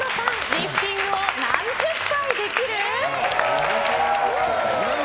リフティングを何十回できる？